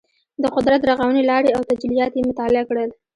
د قدرت د رغونې لارې او تجلیات یې مطالعه کړل.